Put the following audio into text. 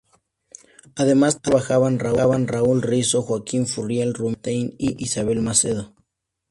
Además trabajaban Raúl Rizzo, Joaquin Furriel, Romina Gaetani e Isabel Macedo.